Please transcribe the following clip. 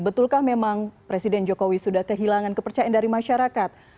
betulkah memang presiden jokowi sudah kehilangan kepercayaan dari masyarakat